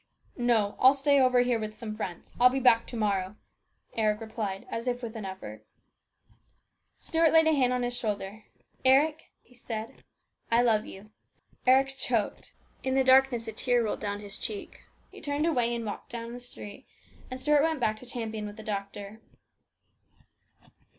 " No ; I'll stay over here with some friends. I'll be back to morrow," Eric replied as if with an effort. Stuart laid a hand on his shoulder. " Eric," he said simply, " I love you." Eric choked. In the darkness a tear rolled down his cheek. He turned away and walked into the street, and Stuart went back to Champion with the doctor. 276 HIS BROTHER'S KEEPER.